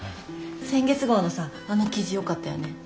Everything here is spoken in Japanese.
先月号のさあの記事よかったよね？